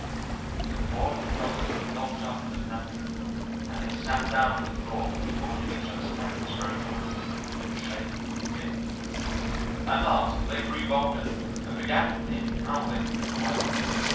The poor little brothers were locked up in the pantry, and they sat down on the floor holding each others hands very tight and shaking with fear. At last they grew bolder, and began to think how they could get away.